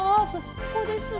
ここですね。